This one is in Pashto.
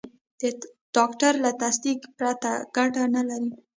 د ډاکټر له تصدیق پرته ګټه نه لري.